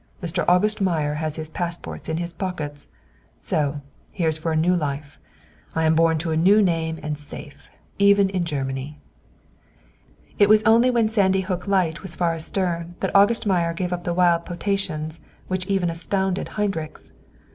"'Mr. August Meyer' has his passports in his pockets! So, here's for a new life. I am born to a new name and safe, even in Germany." It was only when Sandy Hook light was far astern that August Meyer gave up the wild potations which even astounded Heinrichs.